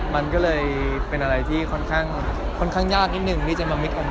มันก็เลยเป็นอะไรที่ค่อนข้างยากนิดนึงที่จะมามิดอม